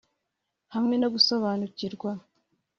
hamwe no gusobanukirwa.